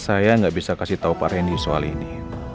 saya gak bisa kasih tau pak reni soal ini